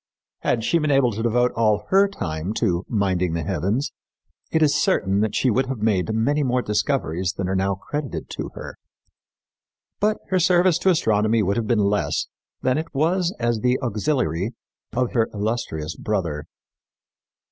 Had she been able to devote all her time to "minding the heavens," it is certain that she would have made many more discoveries than are now credited to her; but her service to astronomy would have been less than it was as the auxiliary of her illustrious brother.